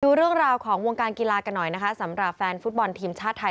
ดูเรื่องราวของวงการกีฬากันหน่อยนะคะสำหรับแฟนฟุตบอลทีมชาติไทย